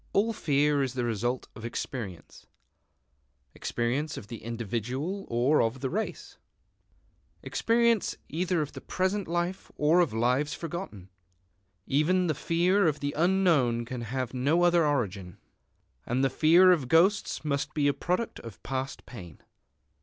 All fear is the result of experience, experience of the individual or of the race, experience either of the present life or of lives forgotten. Even the fear of the unknown can have no other origin. And the fear of ghosts must be a product of past pain.